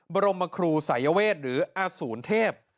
บรมครูสายเวชหรืออย่างแบบอสูนเทพ